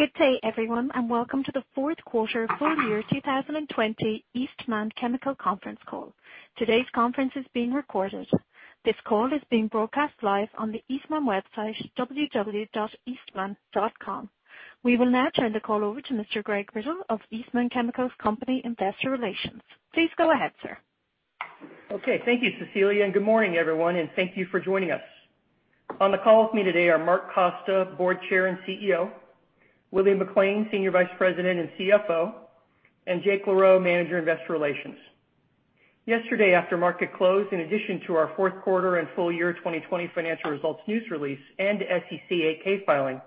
Good day, everyone, and welcome to the fourth quarter full year 2020 Eastman Chemical Company conference call. Today's conference is being recorded. This call is being broadcast live on the Eastman website, www.eastman.com. We will now turn the call over to Mr. Greg Riddle of Eastman Chemical Company Investor Relations. Please go ahead, sir. Okay. Thank you, Cecilia, Good morning, everyone, and thank you for joining us. On the call with me today are Mark Costa, Board Chair and CEO, William McLain, Senior Vice President and CFO, and Jake LaRoe, Manager Investor Relations. Yesterday after market close, in addition to our fourth quarter and full year 2020 financial results news release and SEC 8-K filing,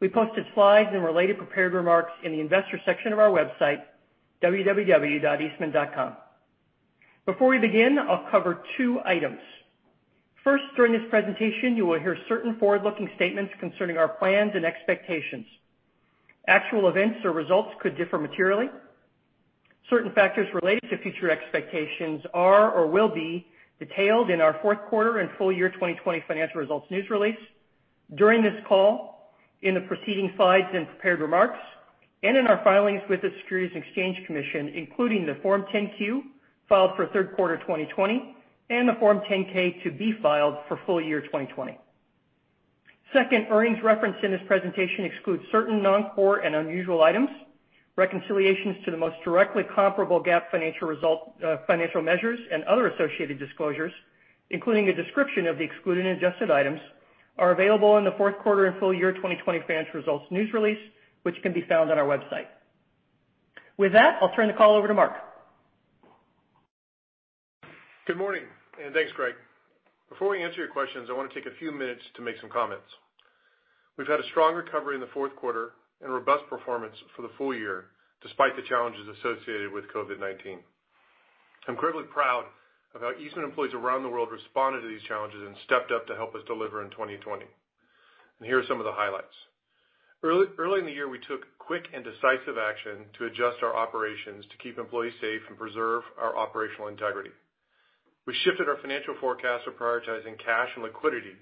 we posted slides and related prepared remarks in the investor section of our website, www.eastman.com. Before we begin, I'll cover two items. First, during this presentation, you will hear certain forward-looking statements concerning our plans and expectations. Actual events or results could differ materially. Certain factors related to future expectations are or will be detailed in our fourth quarter and full year 2020 financial results news release, during this call, in the proceeding slides and prepared remarks, and in our filings with the Securities and Exchange Commission, including the Form 10-Q filed for third quarter 2020 and the Form 10-K to be filed for full year 2020. Second, earnings referenced in this presentation exclude certain non-core and unusual items. Reconciliations to the most directly comparable GAAP financial measures and other associated disclosures, including a description of the excluded and adjusted items, are available in the fourth quarter and full year 2020 financial results news release, which can be found on our website. With that, I'll turn the call over to Mark. Good morning. Thanks, Greg. Before we answer your questions, I want to take a few minutes to make some comments. We've had a strong recovery in the fourth quarter and robust performance for the full year, despite the challenges associated with COVID-19. I'm incredibly proud of how Eastman employees around the world responded to these challenges and stepped up to help us deliver in 2020. Here are some of the highlights. Early in the year, we took quick and decisive action to adjust our operations to keep employees safe and preserve our operational integrity. We shifted our financial forecast to prioritizing cash and liquidity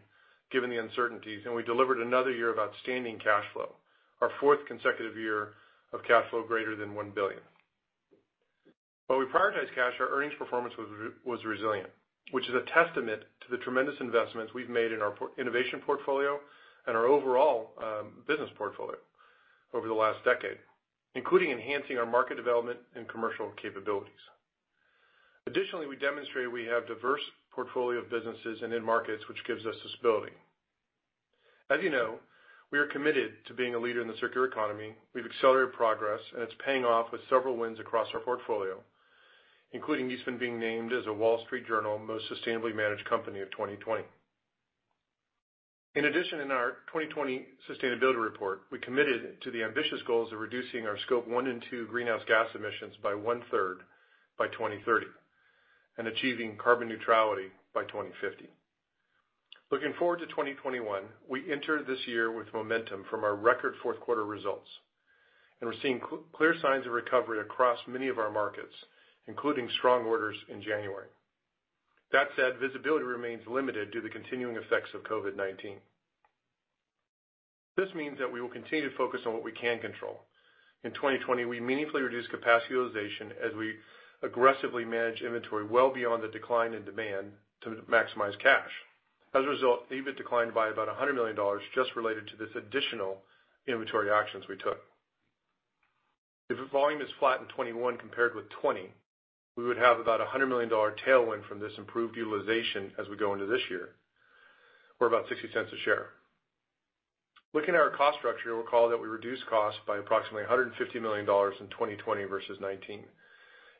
given the uncertainties, and we delivered another year of outstanding cash flow, our fourth consecutive year of cash flow greater than $1 billion. While we prioritized cash, our earnings performance was resilient, which is a testament to the tremendous investments we've made in our innovation portfolio and our overall business portfolio over the last decade, including enhancing our market development and commercial capabilities. Additionally, we demonstrated we have diverse portfolio of businesses and end markets, which gives us stability. As you know, we are committed to being a leader in the circular economy. We've accelerated progress, and it's paying off with several wins across our portfolio, including Eastman being named as a Wall Street Journal Most Sustainably Managed Company of 2020. In addition, in our 2020 sustainability report, we committed to the ambitious goals of reducing our Scope one and two greenhouse gas emissions by one-third by 2030 and achieving carbon neutrality by 2050. Looking forward to 2021, we entered this year with momentum from our record fourth quarter results, and we're seeing clear signs of recovery across many of our markets, including strong orders in January. That said, visibility remains limited due to continuing effects of COVID-19. This means that we will continue to focus on what we can control. In 2020, we meaningfully reduced capacity utilization as we aggressively managed inventory well beyond the decline in demand to maximize cash. As a result, EBIT declined by about $100 million just related to this additional inventory actions we took. If volume is flat in 2021 compared with 2020, we would have about $100 million tailwind from this improved utilization as we go into this year, or about $0.60 a share. Looking at our cost structure, you'll recall that we reduced costs by approximately $150 million in 2020 versus 2019,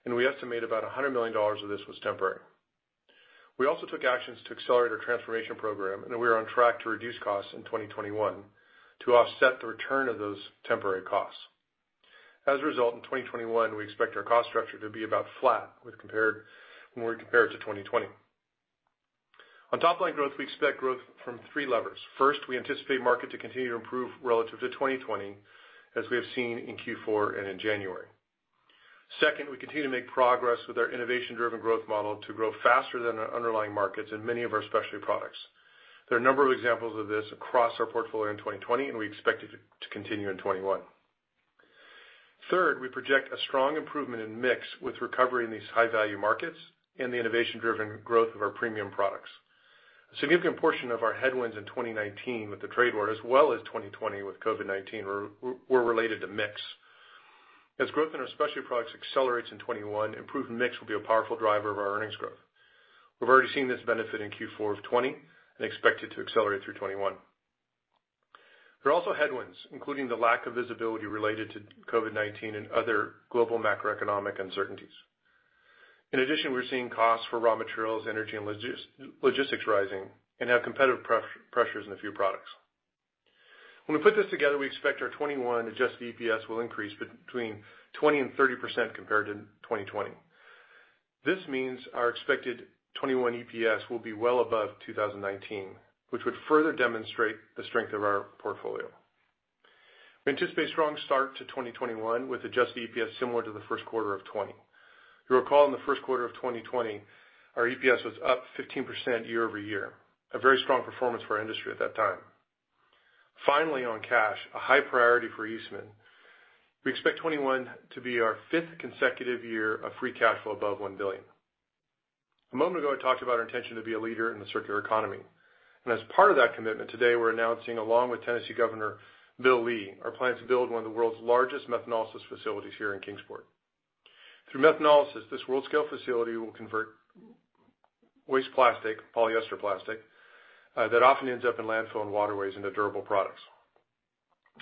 and we estimate about $100 million of this was temporary. We also took actions to accelerate our transformation program, and we are on track to reduce costs in 2021 to offset the return of those temporary costs. As a result, in 2021, we expect our cost structure to be about flat when we compare it to 2020. On top line growth, we expect growth from three levers. First, we anticipate market to continue to improve relative to 2020, as we have seen in Q4 and in January. Second, we continue to make progress with our innovation-driven growth model to grow faster than our underlying markets in many of our specialty products. There are a number of examples of this across our portfolio in 2020, and we expect it to continue in 2021. Third, we project a strong improvement in mix with recovery in these high-value markets and the innovation-driven growth of our premium products. A significant portion of our headwinds in 2019 with the trade war, as well as 2020 with COVID-19, were related to mix. As growth in our specialty products accelerates in 2021, improved mix will be a powerful driver of our earnings growth. We've already seen this benefit in Q4 of 2020 and expect it to accelerate through 2021. There are also headwinds, including the lack of visibility related to COVID-19 and other global macroeconomic uncertainties. In addition, we're seeing costs for raw materials, energy, and logistics rising and have competitive pressures in a few products. When we put this together, we expect our 2021 adjusted EPS will increase between 20% and 30% compared to 2020. This means our expected 2021 EPS will be well above 2019, which would further demonstrate the strength of our portfolio. We anticipate a strong start to 2021 with adjusted EPS similar to the first quarter of 2020. You'll recall in the first quarter of 2020, our EPS was up 15% year-over-year, a very strong performance for our industry at that time. Finally, on cash, a high priority for Eastman, we expect 2021 to be our fifth consecutive year of free cash flow above $1 billion. A moment ago, I talked about our intention to be a leader in the circular economy, and as part of that commitment, today we're announcing, along with Tennessee Governor Bill Lee, our plans to build one of the world's largest methanolysis facilities here in Kingsport. Through methanolysis, this world-scale facility will convert waste plastic, polyester plastic, that often ends up in landfill and waterways, into durable products.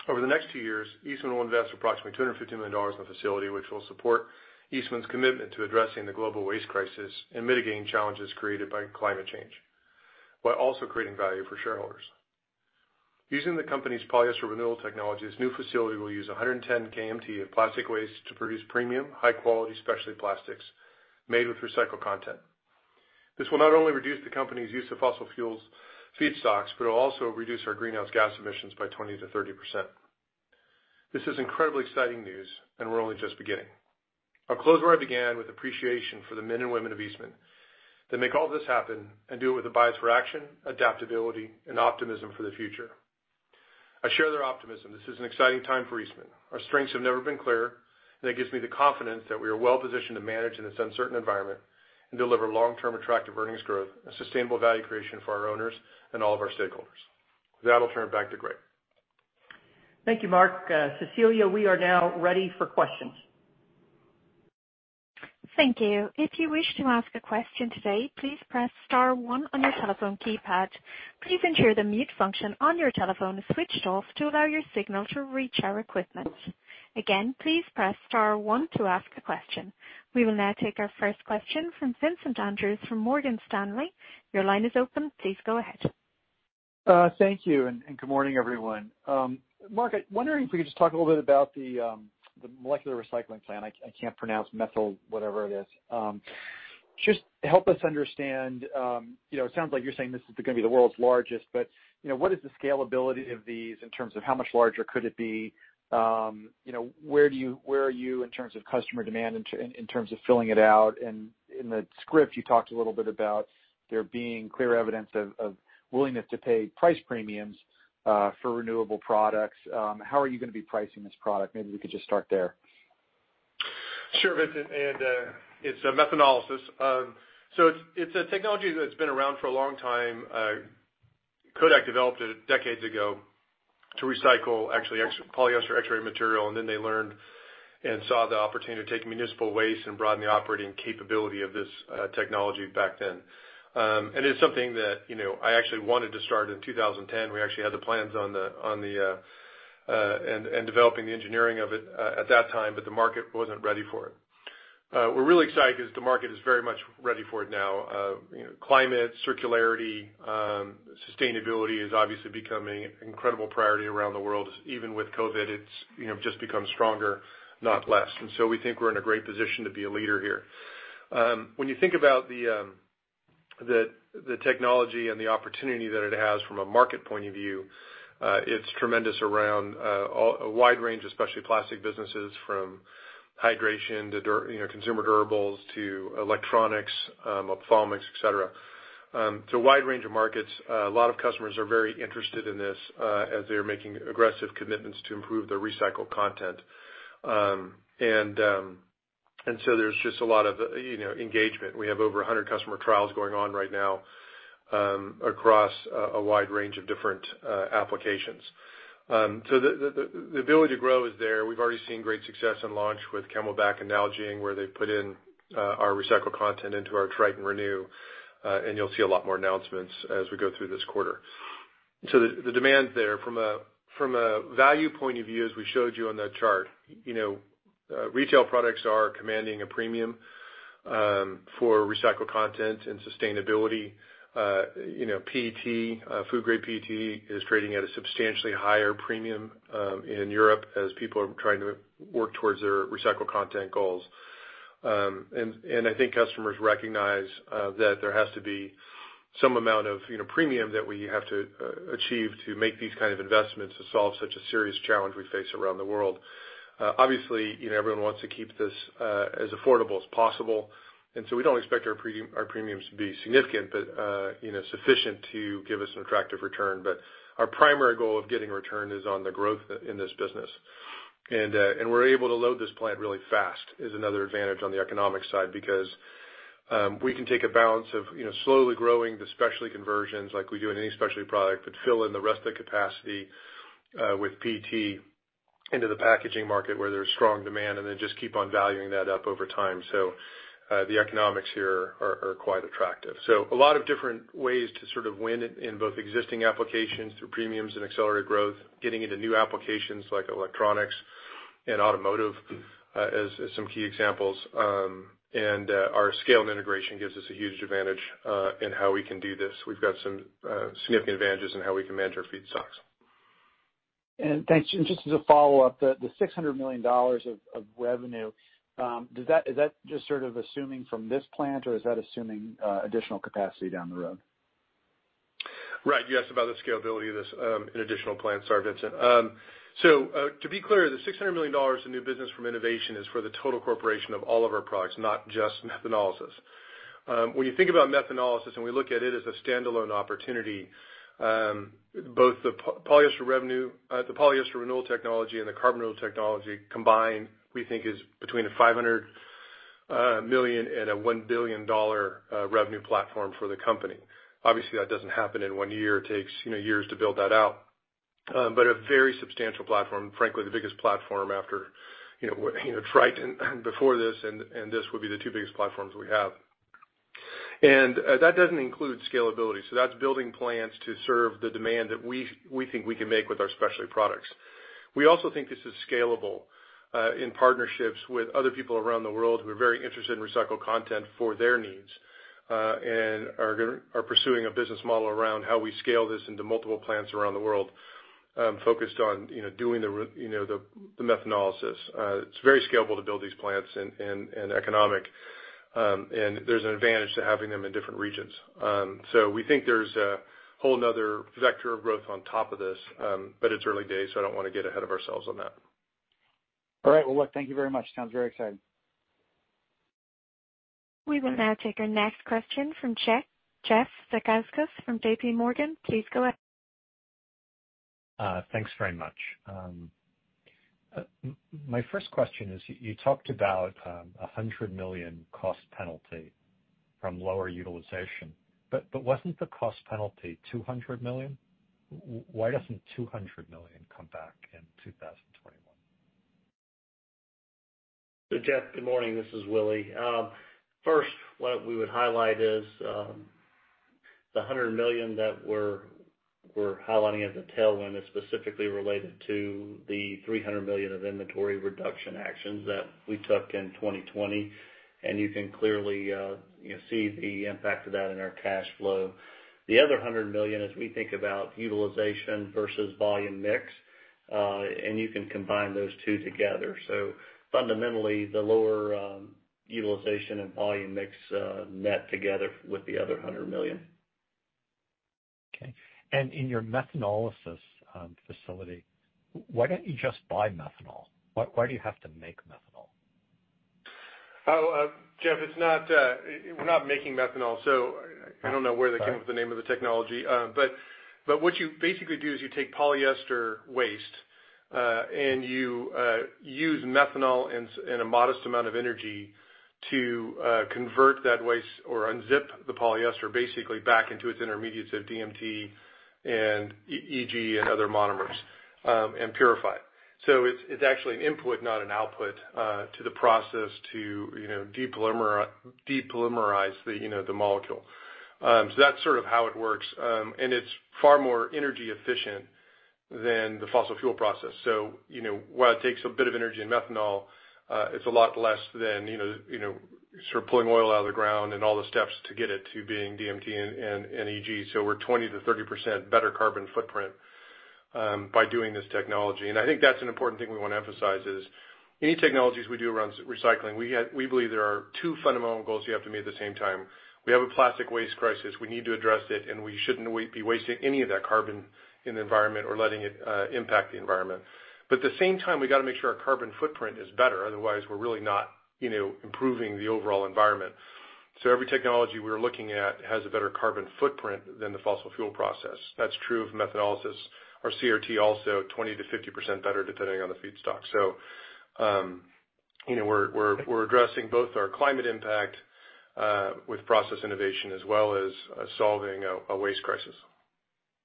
Over the next two years, Eastman will invest approximately $250 million in the facility, which will support Eastman's commitment to addressing the global waste crisis and mitigating challenges created by climate change, while also creating value for shareholders. Using the company's polyester renewal technology, the new facility will use 110 KMT of plastic waste to produce premium, high-quality specialty plastics made with recycled content. This will not only reduce the company's use of fossil fuels feedstocks, but it will also reduce our greenhouse gas emissions by 20%-30%. This is incredibly exciting news. We're only just beginning. I'll close where I began, with appreciation for the men and women of Eastman that make all this happen and do it with a bias for action, adaptability, and optimism for the future. I share their optimism. This is an exciting time for Eastman. Our strengths have never been clearer. It gives me the confidence that we are well-positioned to manage in this uncertain environment and deliver long-term attractive earnings growth and sustainable value creation for our owners and all of our stakeholders. With that, I'll turn it back to Greg. Thank you, Mark. Cecilia, we are now ready for questions. Thank you. We will now take our first question from Vincent Andrews from Morgan Stanley. Your line is open. Please go ahead. Thank you, good morning, everyone. Mark, I'm wondering if we could just talk a little bit about the molecular recycling plan. I can't pronounce methanolysis whatever it is. Help us understand, it sounds like you're saying this is going to be the world's largest, but what is the scalability of these in terms of how much larger could it be? Where are you in terms of customer demand in terms of filling it out? In the script, you talked a little bit about there being clear evidence of willingness to pay price premiums for renewable products. How are you going to be pricing this product? Maybe we could just start there. Sure, Vincent, it's methanolysis. It's a technology that's been around for a long time. Kodak developed it decades ago to recycle actually polyester X-ray material, and then they learned and saw the opportunity to take municipal waste and broaden the operating capability of this technology back then. It's something that I actually wanted to start in 2010. We actually had the plans and developing the engineering of it at that time, but the market wasn't ready for it. We're really excited because the market is very much ready for it now. Climate, circularity, sustainability is obviously becoming an incredible priority around the world. Even with COVID, it's just become stronger, not less. We think we're in a great position to be a leader here. When you think about the technology and the opportunity that it has from a market point of view, it's tremendous around a wide range of specialty plastic businesses, from hydration to consumer durables to electronics, ophthalmics, et cetera. It's a wide range of markets. A lot of customers are very interested in this as they are making aggressive commitments to improve their recycled content. There's just a lot of engagement. We have over 100 customer trials going on right now across a wide range of different applications. The ability to grow is there. We've already seen great success in launch with CamelBak and Nalgene, where they've put in our recycled content into our Tritan Renew, and you'll see a lot more announcements as we go through this quarter. The demand's there. From a value point of view, as we showed you on that chart, retail products are commanding a premium for recycled content and sustainability. PET, food-grade PET, is trading at a substantially higher premium in Europe as people are trying to work towards their recycled content goals. I think customers recognize that there has to be some amount of premium that we have to achieve to make these kind of investments to solve such a serious challenge we face around the world. Obviously, everyone wants to keep this as affordable as possible, and so we don't expect our premiums to be significant, but sufficient to give us an attractive return. Our primary goal of getting a return is on the growth in this business. We're able to load this plant really fast, is another advantage on the economic side, because we can take a balance of slowly growing the specialty conversions like we do in any specialty product, but fill in the rest of the capacity with PET into the packaging market where there's strong demand, then just keep on valuing that up over time. The economics here are quite attractive. A lot of different ways to sort of win in both existing applications through premiums and accelerated growth, getting into new applications like electronics and automotive as some key examples. Our scale and integration gives us a huge advantage in how we can do this. We've got some significant advantages in how we can manage our feedstocks. Thanks. Just as a follow-up, the $600 million of revenue, is that just sort of assuming from this plant, or is that assuming additional capacity down the road? Right. You asked about the scalability of this in additional plants. Sorry, Vincent. To be clear, the $600 million in new business from innovation is for the total corporation of all of our products, not just methanolysis. When you think about methanolysis, and we look at it as a standalone opportunity, both the polyester renewal technology and the carbon renewal technology combined, we think is between a $500 million and a $1 billion revenue platform for the company. Obviously, that doesn't happen in one year. It takes years to build that out. A very substantial platform, frankly, the biggest platform after Tritan before this, and this would be the two biggest platforms we have. That doesn't include scalability. That's building plants to serve the demand that we think we can make with our specialty products. We also think this is scalable in partnerships with other people around the world who are very interested in recycled content for their needs, and are pursuing a business model around how we scale this into multiple plants around the world, focused on doing the methanolysis. It's very scalable to build these plants and economic. There's an advantage to having them in different regions. We think there's a whole another vector of growth on top of this. It's early days, so I don't want to get ahead of ourselves on that. All right. Well, look, thank you very much. Sounds very exciting. We will now take our next question from Jeff Zekauskas from JPMorgan. Please go ahead. Thanks very much. My first question is, you talked about $100 million cost penalty from lower utilization, wasn't the cost penalty $200 million? Why doesn't $200 million come back in 2021? Jeff, good morning. This is Willie. First, what we would highlight is, the $100 million that we're highlighting as a tailwind is specifically related to the $300 million of inventory reduction actions that we took in 2020. You can clearly see the impact of that in our cash flow. The other $100 million as we think about utilization versus volume mix, you can combine those two together. Fundamentally, the lower utilization and volume mix net together with the other $100 million. Okay. In your methanolysis facility, why don't you just buy methanol? Why do you have to make methanol? Jeff, we're not making methanol. I don't know where they came up with the name of the technology. What you basically do is you take polyester waste, and you use methanol and a modest amount of energy to convert that waste or unzip the polyester basically back into its intermediates of DMT and EG and other monomers, and purify it. It's actually an input, not an output, to the process to depolymerize the molecule. That's sort of how it works. It's far more energy efficient than the fossil fuel process. While it takes a bit of energy and methanol, it's a lot less than pulling oil out of the ground and all the steps to get it to being DMT and EG. We're 20%-30% better carbon footprint, by doing this technology. I think that's an important thing we want to emphasize is any technologies we do around recycling, we believe there are two fundamental goals you have to meet at the same time. We have a plastic waste crisis. We need to address it, and we shouldn't be wasting any of that carbon in the environment or letting it impact the environment. At the same time, we got to make sure our carbon footprint is better, otherwise, we're really not improving the overall environment. Every technology we're looking at has a better carbon footprint than the fossil fuel process. That's true of methanolysis or CRT also, 20%-50% better depending on the feedstock. We're addressing both our climate impact, with process innovation, as well as solving a waste crisis.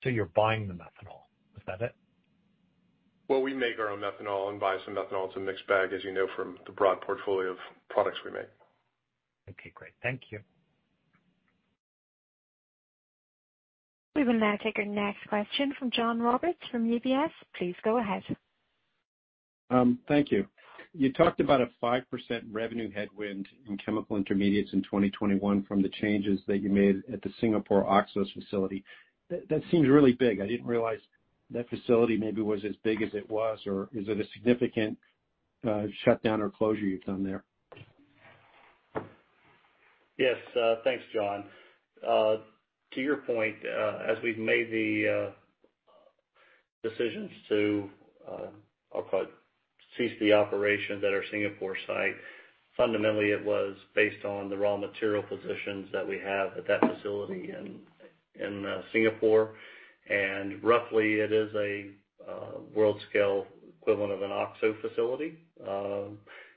You're buying the methanol, is that it? Well, we make our own methanol and buy some methanol. It's a mixed bag, as you know from the broad portfolio of products we make. Okay, great. Thank you. We will now take our next question from John Roberts from UBS. Please go ahead. Thank you. You talked about a 5% revenue headwind in chemical intermediates in 2021 from the changes that you made at the Singapore Oxo facility. That seems really big. I didn't realize that facility maybe was as big as it was, or is it a significant shutdown or closure you've done there? Yes. Thanks, John. To your point, as we've made the decisions to, I'll call it cease the operations at our Singapore site, fundamentally, it was based on the raw material positions that we have at that facility in Singapore, and roughly it is a world scale equivalent of an Oxo facility.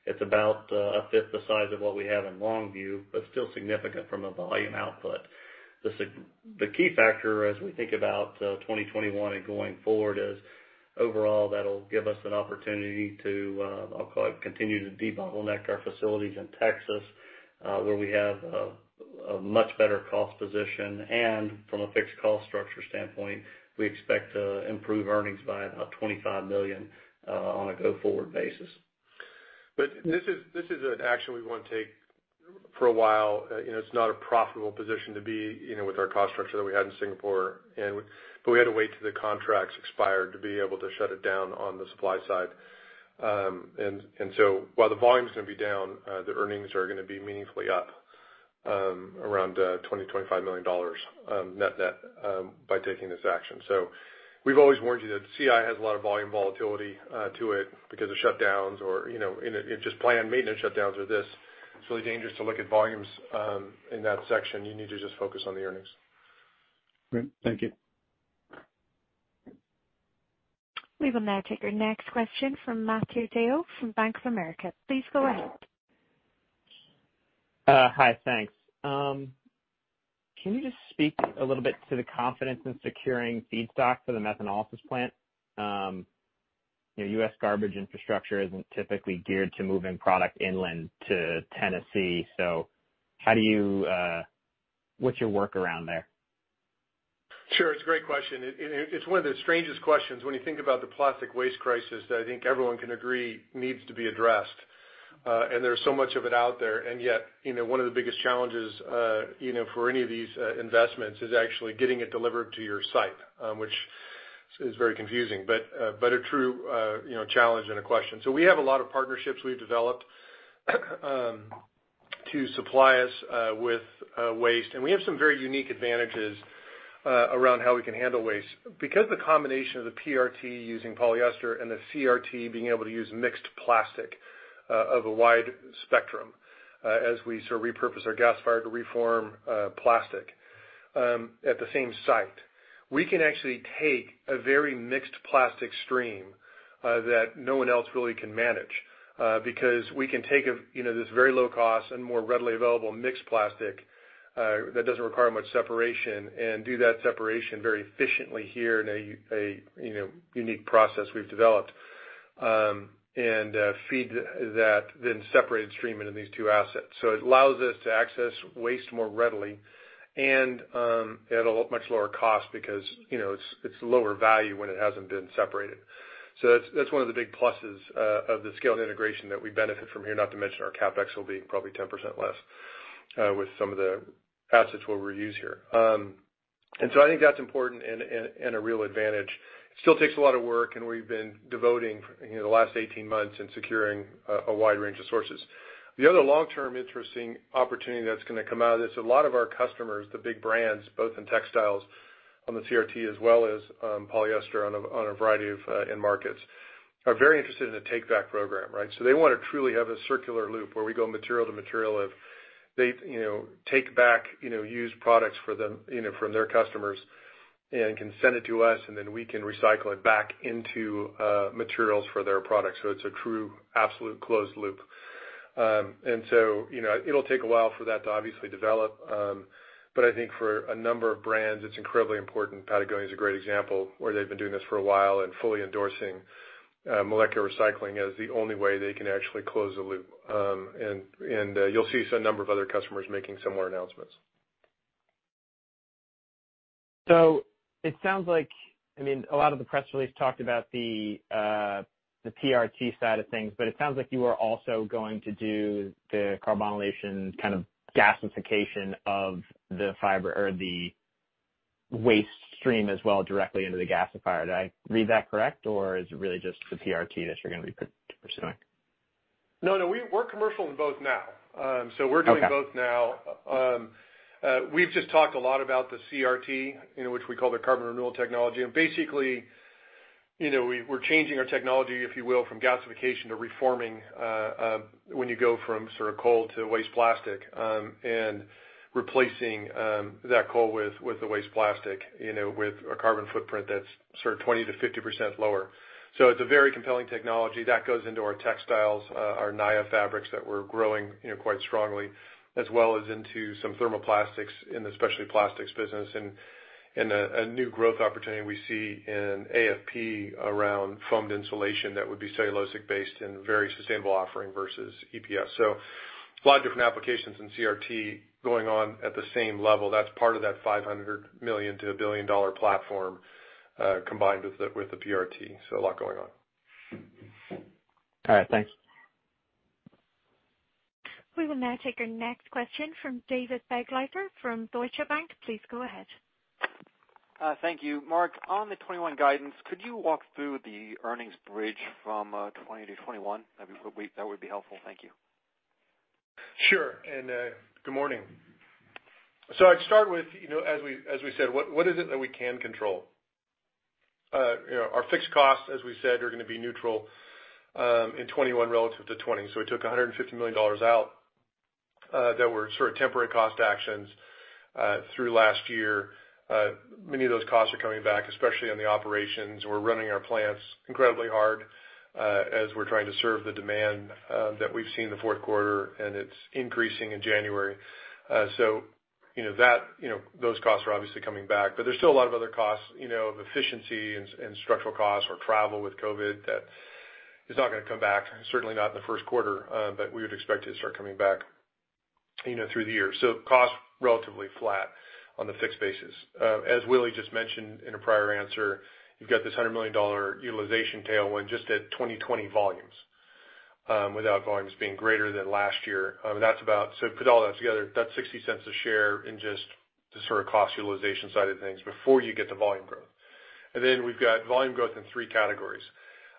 It's about a fifth the size of what we have in Longview, but still significant from a volume output. The key factor as we think about 2021 and going forward is overall that'll give us an opportunity to, I'll call it, continue to debottleneck our facilities in Texas, where we have a much better cost position. From a fixed cost structure standpoint, we expect to improve earnings by about $25 million on a go-forward basis. This is an action we want to take for a while. It's not a profitable position to be with our cost structure that we had in Singapore. We had to wait till the contracts expired to be able to shut it down on the supply side. While the volume's going to be down, the earnings are going to be meaningfully up around $20 million to $25 million net net by taking this action. We've always warned you that CI has a lot of volume volatility to it because of shutdowns or in just planned maintenance shutdowns or this. It's really dangerous to look at volumes in that section. You need to just focus on the earnings. Great. Thank you. We will now take our next question from Matthew DeYoe from Bank of America. Please go ahead. Hi, thanks. Can you just speak a little bit to the confidence in securing feedstock for the methanolysis plant? U.S. garbage infrastructure isn't typically geared to moving product inland to Tennessee. What's your workaround there? Sure. It's a great question. It's one of the strangest questions when you think about the plastic waste crisis that I think everyone can agree needs to be addressed. There's so much of it out there, and yet, one of the biggest challenges for any of these investments is actually getting it delivered to your site, which is very confusing, but a true challenge and a question. We have a lot of partnerships we've developed to supply us with waste, and we have some very unique advantages around how we can handle waste. Because the combination of the PRT using polyester and the CRT being able to use mixed plastic of a wide spectrum as we sort of repurpose our gasifier to reform plastic at the same site, we can actually take a very mixed plastic stream that no one else really can manage. We can take this very low cost and more readily available mixed plastic that doesn't require much separation and do that separation very efficiently here in a unique process we've developed, and feed that then separated stream into these two assets. It allows us to access waste more readily and at a much lower cost because it's lower value when it hasn't been separated. That's one of the big pluses of the scaled integration that we benefit from here. Our CapEx will be probably 10% less with some of the assets what we use here. I think that's important and a real advantage. Takes a lot of work, and we've been devoting the last 18 months in securing a wide range of sources. The other long-term interesting opportunity that's going to come out of this, a lot of our customers, the big brands, both in textiles on the CRT as well as polyester on a variety of end markets, are very interested in a take-back program, right? They want to truly have a circular loop where we go material to material, if they take back used products from their customers and can send it to us, and then we can recycle it back into materials for their products. It's a true absolute closed loop. It'll take a while for that to obviously develop, but I think for a number of brands, it's incredibly important. Patagonia is a great example where they've been doing this for a while and fully endorsing molecular recycling as the only way they can actually close the loop. You'll see some number of other customers making similar announcements. It sounds like a lot of the press release talked about the PRT side of things, but it sounds like you are also going to do the carbonylation kind of gasification of the fiber or the waste stream as well directly into the gasifier. Did I read that correct, or is it really just the PRT that you're going to be pursuing? No, we're commercial in both now. Okay. We're doing both now. We've just talked a lot about the CRT, which we call the carbon renewal technology. Basically, we're changing our technology, if you will, from gasification to reforming when you go from coal to waste plastic, and replacing that coal with the waste plastic with a carbon footprint that's 20%-50% lower. It's a very compelling technology that goes into our textiles, our Naia fabrics that we're growing quite strongly, as well as into some thermoplastics in the specialty plastics business, and a new growth opportunity we see in AFP around foamed insulation that would be cellulosic based and very sustainable offering versus EPS. A lot of different applications in CRT going on at the same level. That's part of that $500 million to $1 billion platform, combined with the PRT. A lot going on. All right, thanks. We will now take our next question from David Begleiter from Deutsche Bank. Please go ahead. Thank you. Mark, on the 2021 guidance, could you walk through the earnings bridge from 2020 to 2021? That would be helpful. Thank you. Sure, good morning. I'd start with, as we said, what is it that we can control? Our fixed costs, as we said, are going to be neutral in 2021 relative to 2020. We took $150 million out that were sort of temporary cost actions through last year. Many of those costs are coming back, especially on the operations. We're running our plants incredibly hard as we're trying to serve the demand that we've seen in the fourth quarter. It's increasing in January. Those costs are obviously coming back. There's still a lot of other costs of efficiency and structural costs or travel with COVID that is not going to come back, certainly not in the first quarter. We would expect it to start coming back through the year. Cost relatively flat on the fixed basis. As Willie just mentioned in a prior answer, you've got this $100 million utilization tailwind just at 2020 volumes without volumes being greater than last year. Put all that together, that's $0.60 a share in just the sort of cost utilization side of things before you get the volume growth. We've got volume growth in three categories.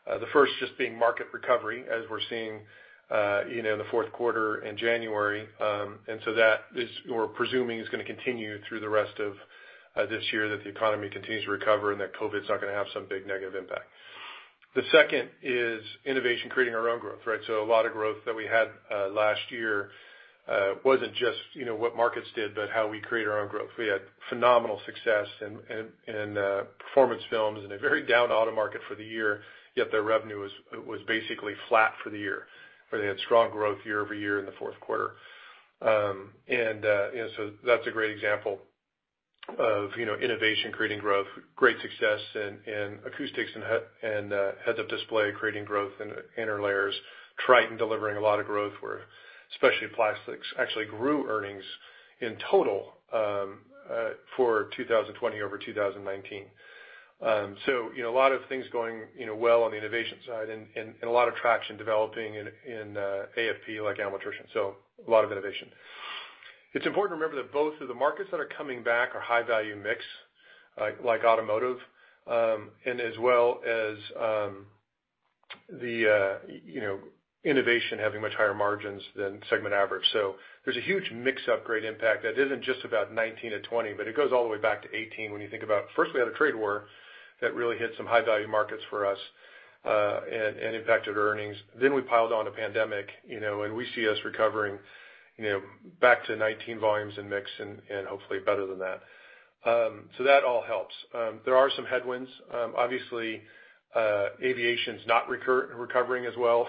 The first just being market recovery as we're seeing in the fourth quarter and January. That is what we're presuming is going to continue through the rest of this year, that the economy continues to recover and that COVID's not going to have some big negative impact. The second is innovation, creating our own growth. A lot of growth that we had last year wasn't just what markets did, but how we create our own growth. We had phenomenal success in Performance Films in a very down auto market for the year, yet their revenue was basically flat for the year. They had strong growth year-over-year in the fourth quarter. That's a great example of innovation creating growth, great success in acoustics and heads-up display, creating growth in interlayers. Tritan delivering a lot of growth where especially Plastics actually grew earnings in total for 2020 over 2019. A lot of things going well on the innovation side and a lot of traction developing in AFP, like amino antioxidant. It's important to remember that both of the markets that are coming back are high-value mix, like automotive, and as well as the innovation having much higher margins than segment average. There's a huge mix-up grade impact that isn't just about 2019-2020, but it goes all the way back to 2018 when you think about, first we had a trade war that really hit some high-value markets for us, and impacted earnings. We piled on a pandemic, and we see us recovering back to 2019 volumes and mix and hopefully better than that. That all helps. There are some headwinds. Obviously, aviation's not recovering as well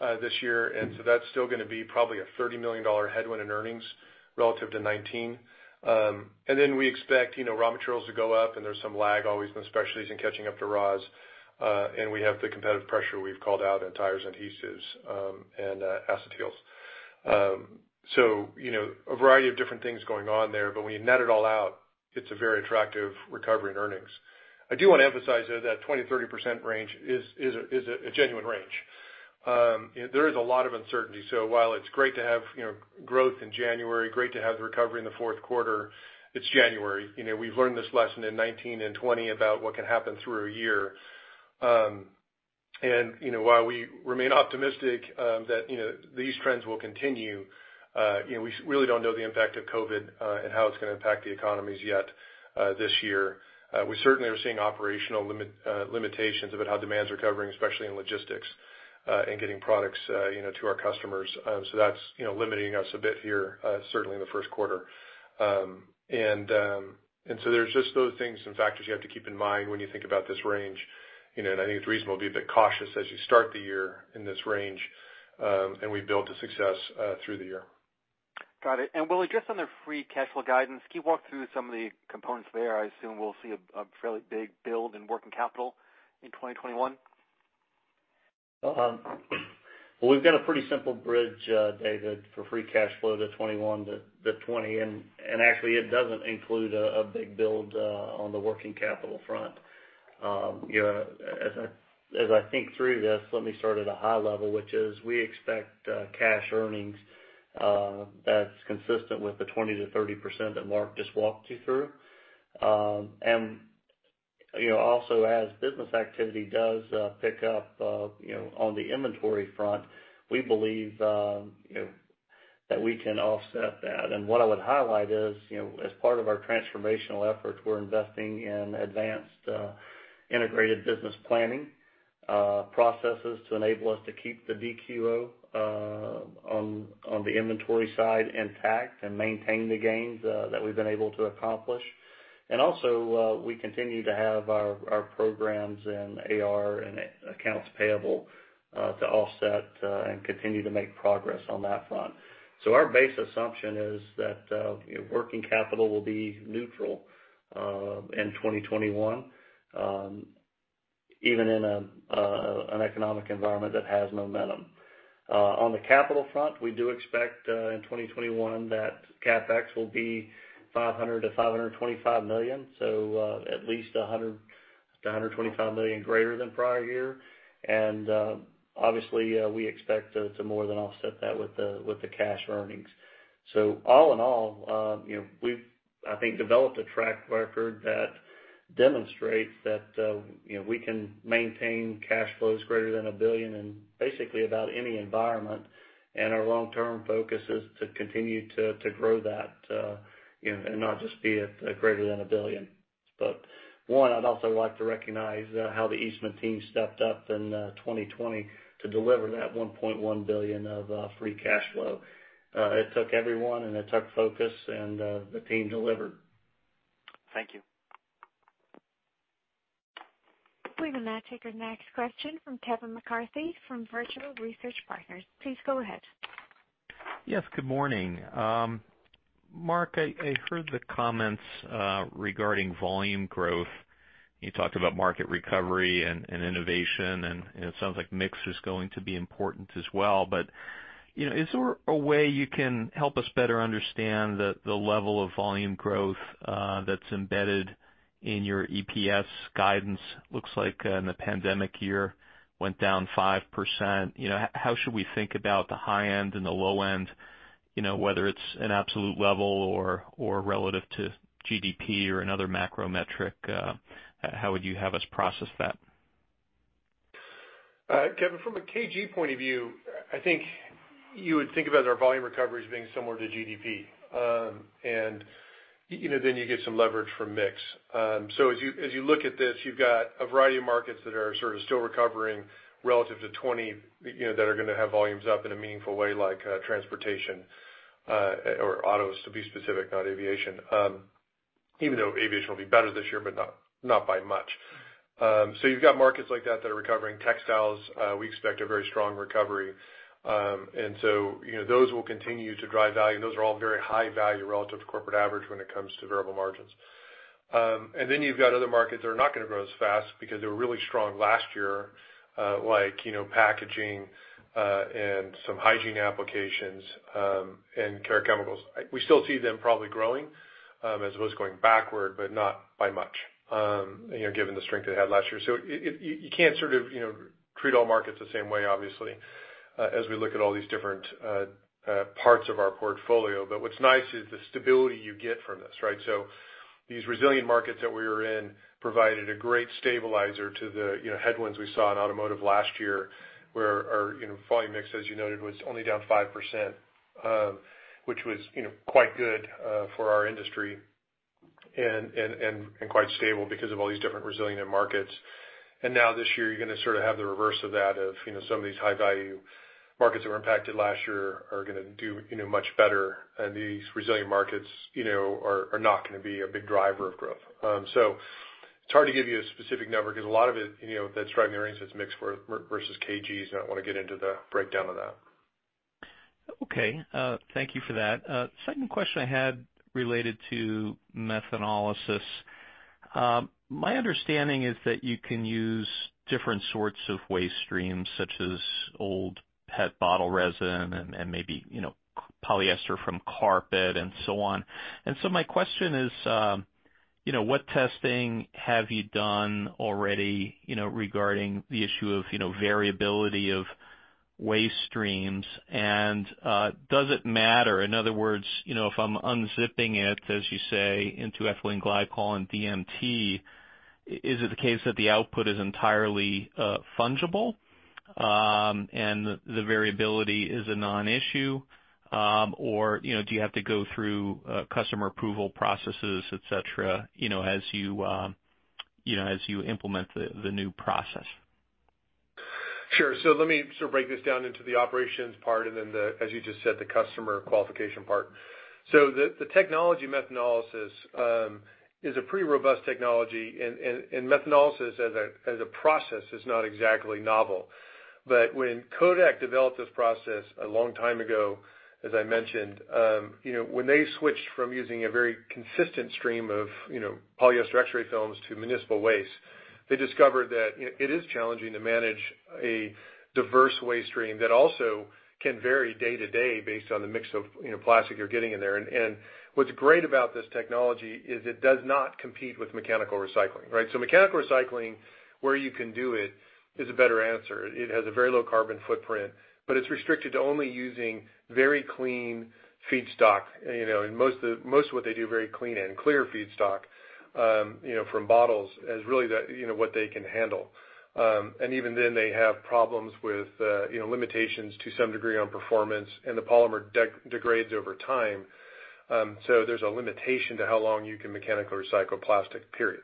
this year, and so that's still going to be probably a $30 million headwind in earnings relative to 2019. We expect raw materials to go up, and there's some lag always been specialties in catching up to raws. We have the competitive pressure we've called out in tires, adhesives, and acetyls. A variety of different things going on there, but when you net it all out, it's a very attractive recovery in earnings. I do want to emphasize, though, that 20%-30% range is a genuine range. There is a lot of uncertainty. While it's great to have growth in January, great to have the recovery in the fourth quarter, it's January. We've learned this lesson in 2019 and 2020 about what can happen through a year. While we remain optimistic that these trends will continue, we really don't know the impact of COVID, and how it's going to impact the economies yet this year. We certainly are seeing operational limitations about how demand's recovering, especially in logistics, and getting products to our customers. That's limiting us a bit here, certainly in the first quarter. There's just those things and factors you have to keep in mind when you think about this range. I think it's reasonable to be a bit cautious as you start the year in this range, and we build to success through the year. Got it. Will, just on the free cash flow guidance, can you walk through some of the components there? I assume we'll see a fairly big build in working capital in 2021. Well, we've got a pretty simple bridge, David, for free cash flow to 2021 to 2020, actually it doesn't include a big build on the working capital front. As I think through this, let me start at a high level, which is we expect cash earnings that's consistent with the 20%-30% that Mark just walked you through. Also as business activity does pick up on the inventory front, we believe that we can offset that. What I would highlight is as part of our transformational efforts, we're investing in advanced integrated business planning processes to enable us to keep the DQO on the inventory side intact and maintain the gains that we've been able to accomplish. Also, we continue to have our programs in AR and accounts payable to offset and continue to make progress on that front. Our base assumption is that working capital will be neutral in 2021, even in an economic environment that has momentum. On the capital front, we do expect in 2021 that CapEx will be $500 million-$525 million, so at least $100 million-$125 million greater than prior year. Obviously, we expect to more than offset that with the cash earnings. All in all, we've, I think, developed a track record that demonstrates that we can maintain cash flows greater than $1 billion in basically about any environment. Our long-term focus is to continue to grow that and not just be at greater than $1 billion. One, I'd also like to recognize how the Eastman team stepped up in 2020 to deliver that $1.1 billion of free cash flow. It took everyone and it took focus, and the team delivered. Thank you. We will now take our next question from Kevin McCarthy from Vertical Research Partners. Please go ahead. Yes, good morning. Mark, I heard the comments regarding volume growth. You talked about market recovery and innovation, and it sounds like mix is going to be important as well. Is there a way you can help us better understand the level of volume growth that's embedded in your EPS guidance? Looks like in the pandemic year went down 5%. How should we think about the high end and the low end, whether it's an absolute level or relative to GDP or another macro metric? How would you have us process that? Kevin, from a KMT point of view, I think you would think about our volume recovery as being similar to GDP. You get some leverage from mix. As you look at this, you've got a variety of markets that are sort of still recovering relative to 2020, that are going to have volumes up in a meaningful way, like transportation or autos to be specific, not aviation. Even though aviation will be better this year, but not by much. You've got markets like that that are recovering. Textiles, we expect a very strong recovery. Those will continue to drive value, and those are all very high value relative to corporate average when it comes to variable margins. Then you've got other markets that are not going to grow as fast because they were really strong last year, like packaging, and some hygiene applications, and care chemicals. We still see them probably growing, as opposed to going backward, but not by much given the strength they had last year. So you can't sort of treat all markets the same way, obviously, as we look at all these different parts of our portfolio. But what's nice is the stability you get from this, right? So these resilient markets that we were in provided a great stabilizer to the headwinds we saw in automotive last year, where our volume mix, as you noted, was only down 5%, which was quite good for our industry and quite stable because of all these different resilient markets. Now this year, you're going to sort of have the reverse of that, of some of these high-value markets that were impacted last year are going to do much better, and these resilient markets are not going to be a big driver of growth. It's hard to give you a specific number because a lot of it that's driving the earnings is mix versus KGs, and I don't want to get into the breakdown of that. Okay. Thank you for that. Second question I had related to methanolysis. My understanding is that you can use different sorts of waste streams, such as old PET bottle resin and maybe polyester from carpet and so on. My question is, what testing have you done already regarding the issue of variability of waste streams, and does it matter? In other words, if I'm unzipping it, as you say, into ethylene glycol and DMT, is it the case that the output is entirely fungible, and the variability is a non-issue? Do you have to go through customer approval processes, et cetera, as you implement the new process? Sure. Let me sort of break this down into the operations part and then the, as you just said, the customer qualification part. The technology methanolysis is a pretty robust technology, and methanolysis as a process is not exactly novel. When Kodak developed this process a long time ago, as I mentioned, when they switched from using a very consistent stream of polyester X-ray films to municipal waste, they discovered that it is challenging to manage a diverse waste stream that also can vary day to day based on the mix of plastic you're getting in there. What's great about this technology is it does not compete with mechanical recycling, right? Mechanical recycling, where you can do it, is a better answer. It has a very low carbon footprint, but it's restricted to only using very clean feedstock. Most of what they do, very clean and clear feedstock from bottles is really what they can handle. Even then, they have problems with limitations to some degree on performance, and the polymer degrades over time. There's a limitation to how long you can mechanically recycle plastic, period.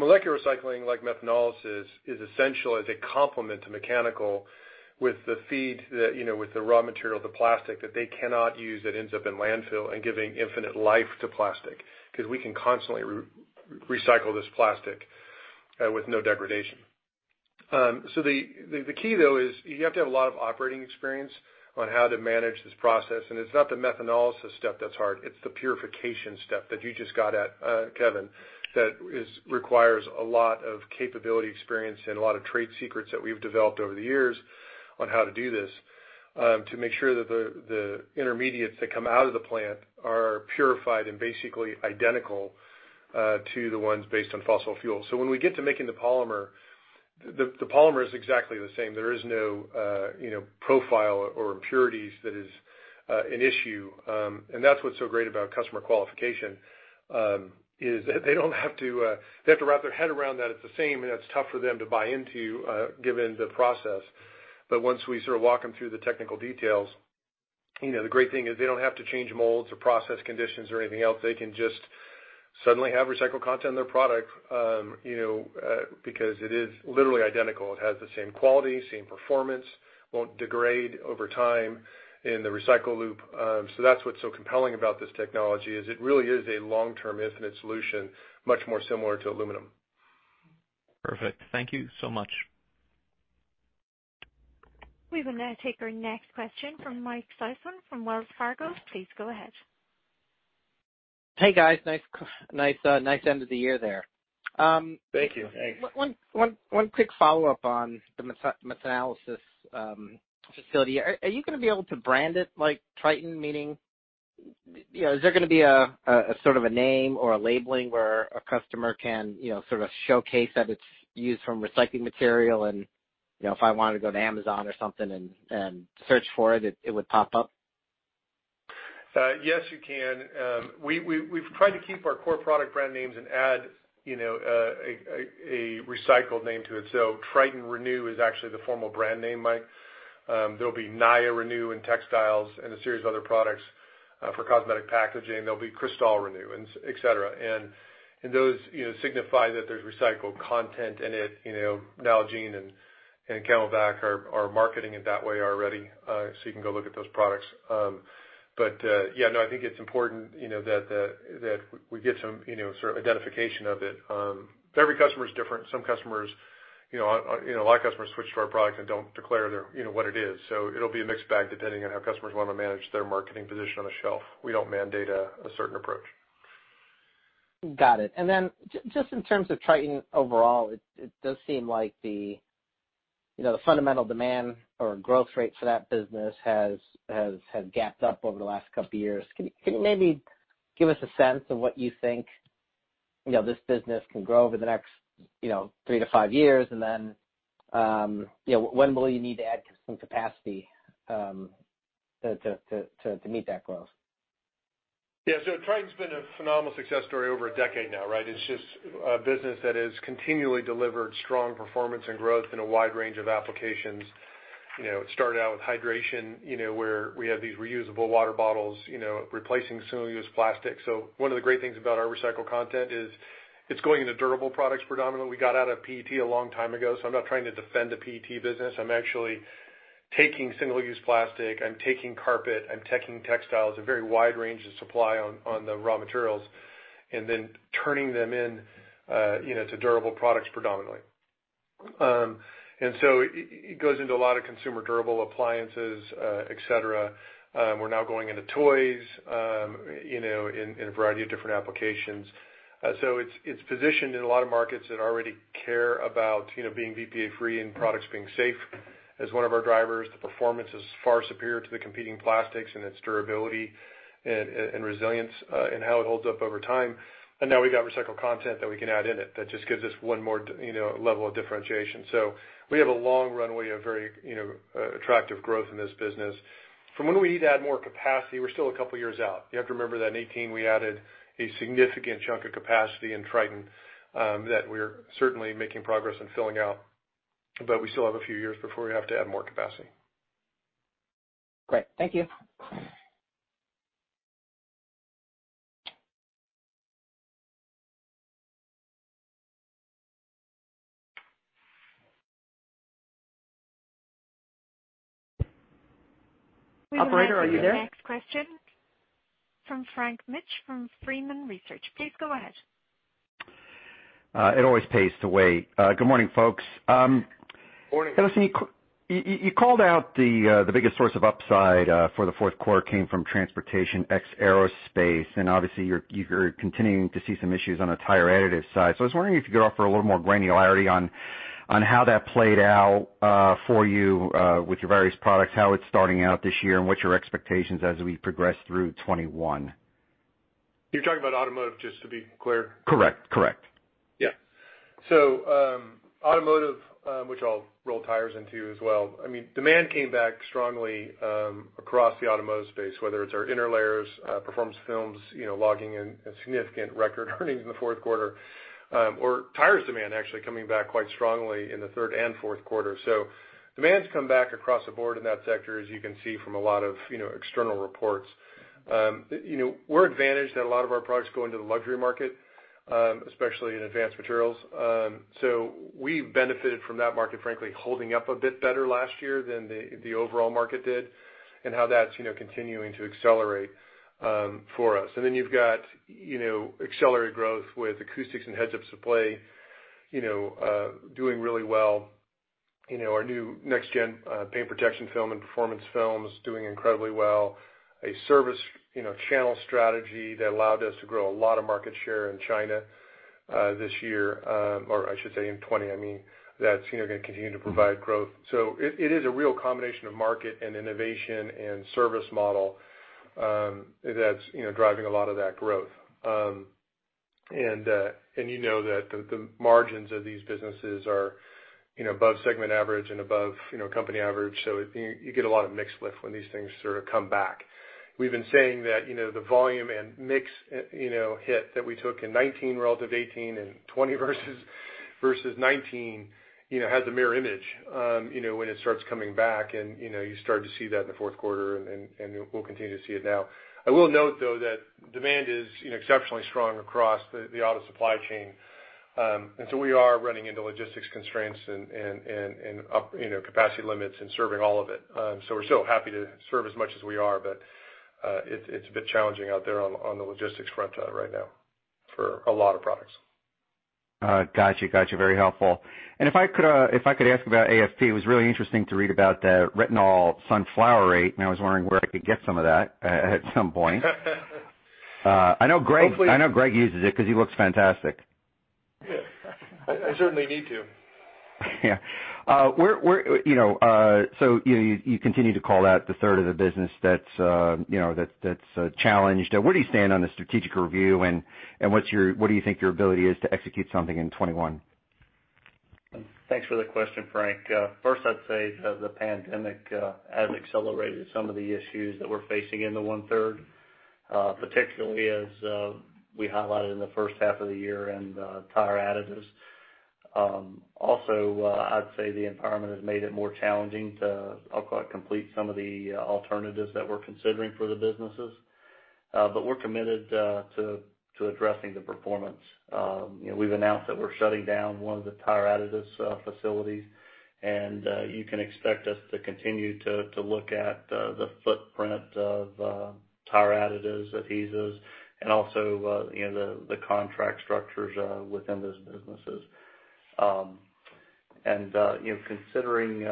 Molecular recycling, like methanolysis, is essential as a complement to mechanical with the raw material, the plastic that they cannot use that ends up in landfill and giving infinite life to plastic, because we can constantly recycle this plastic with no degradation. The key, though, is you have to have a lot of operating experience on how to manage this process, and it's not the methanolysis step that's hard, it's the purification step that you just got at, Kevin, that requires a lot of capability experience and a lot of trade secrets that we've developed over the years on how to do this to make sure that the intermediates that come out of the plant are purified and basically identical to the ones based on fossil fuels. When we get to making the polymer, the polymer is exactly the same. There is no profile or impurities that is an issue. That's what's so great about customer qualification, is they have to wrap their head around that it's the same, and that's tough for them to buy into given the process. Once we sort of walk them through the technical details, the great thing is they don't have to change molds or process conditions or anything else. They can just suddenly have recycled content in their product because it is literally identical. It has the same quality, same performance, won't degrade over time in the recycle loop. That's what's so compelling about this technology, is it really is a long-term infinite solution, much more similar to aluminum. Perfect. Thank you so much. We will now take our next question from Mike Sison from Wells Fargo. Please go ahead. Hey guys, nice end of the year there. Thank you. One quick follow-up on the methanolysis facility. Are you going to be able to brand it like Tritan? Meaning, is there going to be a name or a labeling where a customer can sort of showcase that it's used from recycling material and, if I wanted to go to Amazon or something and search for it would pop up? Yes, you can. We've tried to keep our core product brand names and add a recycled name to it. Tritan Renew is actually the formal brand name, Mike. There'll be Naia Renew in textiles and a series of other products for cosmetic packaging. There'll be Cristal Renew, et cetera. Those signify that there's recycled content in it. Nalgene and CamelBak are marketing it that way already, so you can go look at those products. Yeah, no, I think it's important that we get some sort of identification of it. Every customer is different. A lot of customers switch to our product and don't declare what it is. It'll be a mixed bag depending on how customers want to manage their marketing position on the shelf. We don't mandate a certain approach. Got it. Just in terms of Tritan overall, it does seem like the fundamental demand or growth rate for that business has gapped up over the last couple of years. Can you maybe give us a sense of what you think this business can grow over the next three to five years? When will you need to add some capacity to meet that growth? Yeah. Tritan's been a phenomenal success story over a decade now, right? It's just a business that has continually delivered strong performance and growth in a wide range of applications. It started out with hydration, where we have these reusable water bottles replacing single-use plastic. One of the great things about our recycled content is it's going into durable products predominantly. We got out of PET a long time ago, I'm not trying to defend the PET business. I'm actually taking single-use plastic, I'm taking carpet, I'm taking textiles, a very wide range of supply on the raw materials, turning them in to durable products predominantly. It goes into a lot of consumer durable appliances, et cetera. We're now going into toys in a variety of different applications. It's positioned in a lot of markets that already care about being BPA-free and products being safe as one of our drivers. The performance is far superior to the competing plastics in its durability and resilience in how it holds up over time. Now we got recycled content that we can add in it that just gives us one more level of differentiation. We have a long runway of very attractive growth in this business. From when we need to add more capacity, we're still a couple of years out. You have to remember that in 2018, we added a significant chunk of capacity in Tritan that we're certainly making progress in filling out, but we still have a few years before we have to add more capacity. Great. Thank you. Operator, are you there? We will now go to the next question from Frank Mitsch from Fermium Research. Please go ahead. It always pays to wait. Good morning, folks. Morning. Listen, you called out the biggest source of upside for the fourth quarter came from transportation ex aerospace, and obviously you're continuing to see some issues on the tire additive side. I was wondering if you could offer a little more granularity on how that played out for you with your various products, how it's starting out this year, and what's your expectations as we progress through 2021. You're talking about automotive, just to be clear? Correct. Yeah. Automotive, which I'll roll tires into as well, demand came back strongly across the automotive space, whether it's our interlayers, Performance Films logging in significant record earnings in the fourth quarter, or tires demand actually coming back quite strongly in the third and fourth quarter. Demand's come back across the board in that sector, as you can see from a lot of external reports. We're advantaged that a lot of our products go into the luxury market, especially in advanced materials. We benefited from that market, frankly, holding up a bit better last year than the overall market did and how that's continuing to accelerate for us. You've got accelerated growth with acoustics and heads-up display doing really well. Our new next-gen paint protection film and Performance Films doing incredibly well. A service channel strategy that allowed us to grow a lot of market share in China this year, or I should say in 2020, I mean, that's going to continue to provide growth. It is a real combination of market and innovation and service model that's driving a lot of that growth. You know that the margins of these businesses are above segment average and above company average, you get a lot of mix lift when these things sort of come back. We've been saying that the volume and mix hit that we took in 2019 relative to 2018 and 2020 versus 2019 has a mirror image when it starts coming back, you started to see that in the fourth quarter, we'll continue to see it now. I will note, though, that demand is exceptionally strong across the auto supply chain. We are running into logistics constraints and capacity limits in serving all of it. We're still happy to serve as much as we are, but it's a bit challenging out there on the logistics front right now for a lot of products. Got you. Very helpful. If I could ask about AFP, it was really interesting to read about the retinol sunflower rate, and I was wondering where I could get some of that at some point. I know Greg uses it because he looks fantastic. Yeah. I certainly need to. Yeah. You continue to call out the third of the business that's challenged. Where do you stand on the strategic review, and what do you think your ability is to execute something in 2021? Thanks for the question, Frank. First, I'd say the pandemic has accelerated some of the issues that we're facing in the one-third, particularly as we highlighted in the first half of the year in tire additives. Also, I'd say the environment has made it more challenging to, I'll call it, complete some of the alternatives that we're considering for the businesses. We're committed to addressing the performance. We've announced that we're shutting down one of the tire additives facilities, and you can expect us to continue to look at the footprint of tire additives, adhesives, and also the contract structures within those businesses. Considering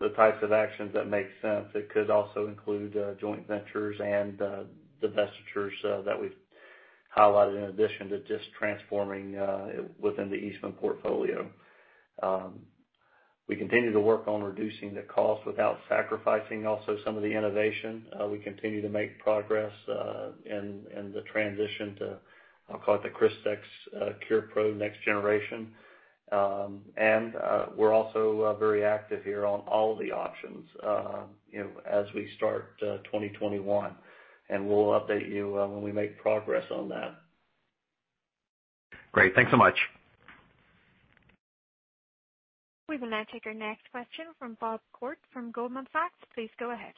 the types of actions that make sense, it could also include joint ventures and divestitures that we've highlighted in addition to just transforming within the Eastman portfolio. We continue to work on reducing the cost without sacrificing also some of the innovation. We continue to make progress in the transition to, I'll call it the Crystex Cure Pro Next Generation. We're also very active here on all of the options as we start 2021, and we'll update you when we make progress on that. Great. Thanks so much. We will now take our next question from Bob Koort from Goldman Sachs. Please go ahead.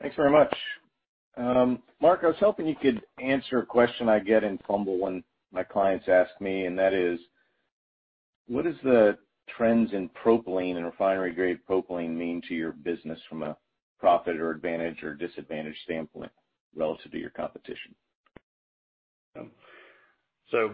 Thanks very much. Mark, I was hoping you could answer a question I get in fumble when my clients ask me, and that is: what is the trends in propylene and refinery-grade propylene mean to your business from a profit or advantage or disadvantage standpoint relative to your competition?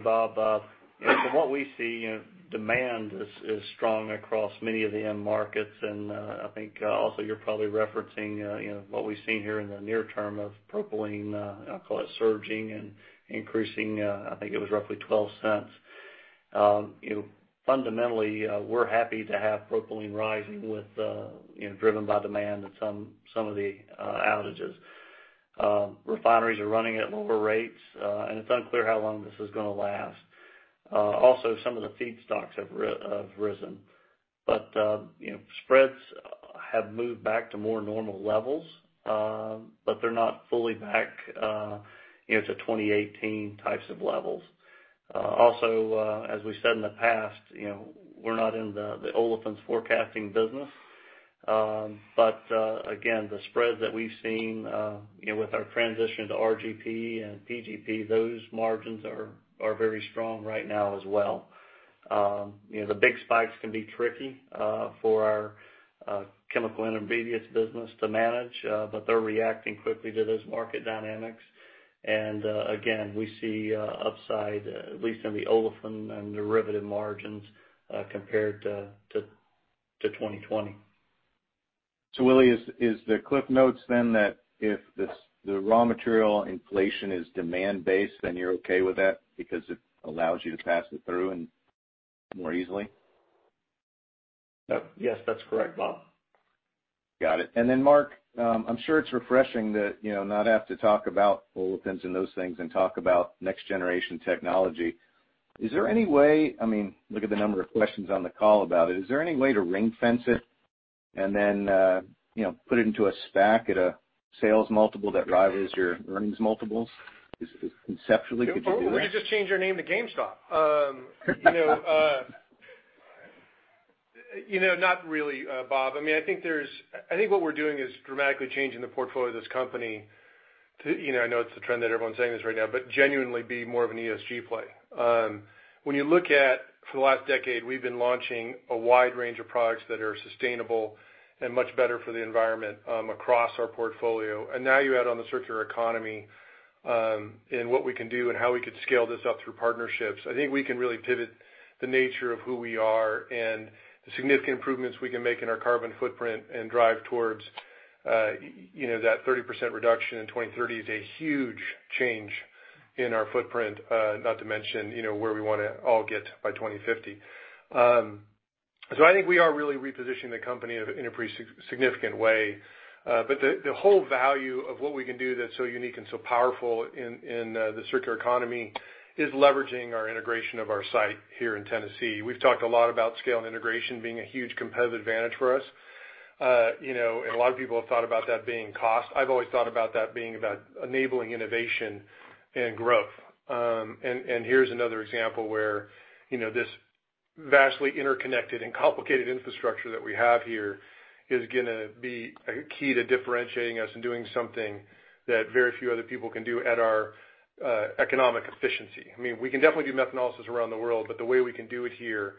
Bob, from what we see, demand is strong across many of the end markets, and I think also you're probably referencing what we've seen here in the near term of propylene, I'll call it surging and increasing, I think it was roughly $0.12. Fundamentally, we're happy to have propylene rising driven by demand and some of the outages. Refineries are running at lower rates, and it's unclear how long this is going to last. Some of the feedstocks have risen. Spreads have moved back to more normal levels, but they're not fully back to 2018 types of levels. As we said in the past, we're not in the olefins forecasting business. Again, the spread that we've seen with our transition to RGP and PGP, those margins are very strong right now as well. The big spikes can be tricky for our chemical intermediates business to manage, but they're reacting quickly to those market dynamics. Again, we see upside, at least in the olefin and derivative margins, compared to 2020. Willie, is the cliff notes then that if the raw material inflation is demand-based, then you're okay with that because it allows you to pass it through more easily? Yes, that's correct, Bob. Got it. Mark, I'm sure it's refreshing to not have to talk about olefins and those things and talk about next-generation technology. Look at the number of questions on the call about it. Is there any way to ring-fence it and then put it into a SPAC at a sales multiple that rivals your earnings multiples? Conceptually, could you do that? We could just change our name to GameStop. Not really, Bob. I think what we're doing is dramatically changing the portfolio of this company to, I know it's the trend that everyone's saying this right now, but genuinely be more of an ESG play. When you look at, for the last decade, we've been launching a wide range of products that are sustainable and much better for the environment across our portfolio. Now you add on the circular economy, and what we can do and how we could scale this up through partnerships. I think we can really pivot the nature of who we are and the significant improvements we can make in our carbon footprint and drive towards that 30% reduction in 2030 is a huge change in our footprint, not to mention where we want to all get by 2050. I think we are really repositioning the company in a pretty significant way. The whole value of what we can do that's so unique and so powerful in the circular economy is leveraging our integration of our site here in Tennessee. We've talked a lot about scale and integration being a huge competitive advantage for us. A lot of people have thought about that being cost. I've always thought about that being about enabling innovation and growth. Here's another example where this vastly interconnected and complicated infrastructure that we have here is going to be a key to differentiating us and doing something that very few other people can do at our economic efficiency. We can definitely do methanolysis around the world, but the way we can do it here